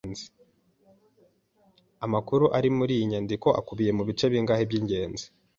Amakuru ari muri iyi nyandiko akubiye mu bice bingahe by’ ingenzi